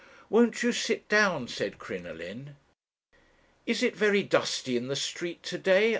'Won't you sit down?' said Crinoline. "'Is it very dusty in the street to day?'